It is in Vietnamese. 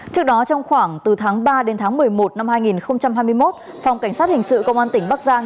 trước đó trong khoảng từ tháng ba đến tháng một mươi một năm hai nghìn hai mươi một phòng cảnh sát hình sự công an tp tam kỳ